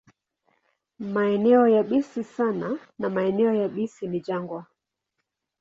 Maeneo yabisi sana na maeneo yabisi ni jangwa.